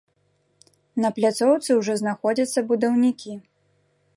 На пляцоўцы ўжо знаходзяцца будаўнікі.